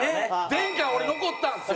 前回俺残ったんですよ。